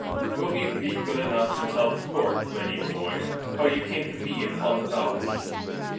"Will you be good enough to tell the court, Lady O'Moy, how you came to be upon the balcony?"